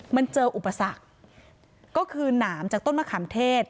มันเจออุปสรรคก็คือหนามจากต้นมะขามเทศ